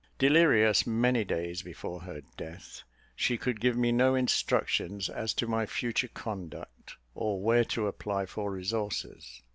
Delirious many days before her death, she could give me no instructions as to my future conduct, or where to apply for resources.